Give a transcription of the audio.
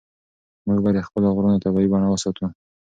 موږ باید د خپلو غرونو طبیعي بڼه وساتو.